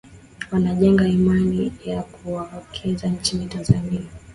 Wanajenga imani ya kuwekeza nchini Tanzania